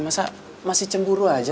masa masih cemburu aja